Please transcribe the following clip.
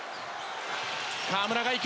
河村が行く！